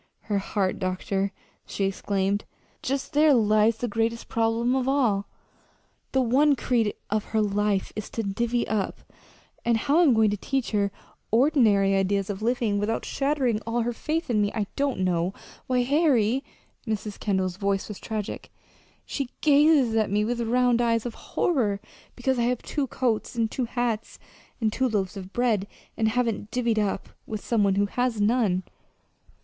"Her heart, doctor!" she exclaimed. "Just there lies the greatest problem of all. The one creed of her life is to 'divvy up,' and how I'm going to teach her ordinary ideas of living without shattering all her faith in me I don't know. Why, Harry," Mrs. Kendall's voice was tragic "she gazes at me with round eyes of horror because I have two coats and two hats, and two loaves of bread, and haven't yet 'divvied up' with some one who has none.